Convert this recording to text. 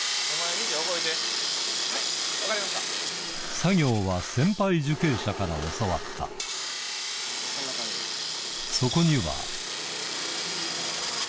作業は先輩受刑者から教わったへぇ。